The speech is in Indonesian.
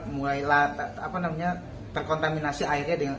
mulailah terkontaminasi dengan logam itu